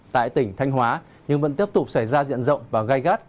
tại tỉnh thanh hóa nhưng vẫn tiếp tục xảy ra diện rộng và gai gắt